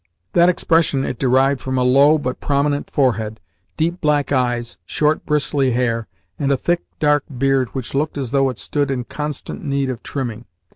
That expression it derived from a low, but prominent, forehead, deep black eyes, short, bristly hair, and a thick, dark beard which looked as though it stood in constant need of trimming.